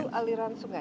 satu aliran sungai